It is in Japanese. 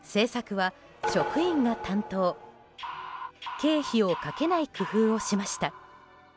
経費をかけない工夫をしました。